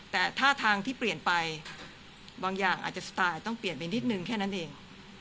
แต่ท่าทางที่เปลี่ยนไปบางอย่างอาจจะสไตล์ต้องเปลี่ยนไปนิดนึงแค่นั้นเอง